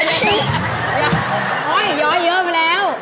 โอ้ยอยอยยเยอะมาแล้ว